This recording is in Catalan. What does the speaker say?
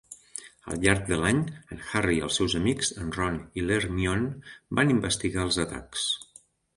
Al llarg de l'any, en Harry i els seus amics, en Ron i l'Hermione, van investigar els atacs.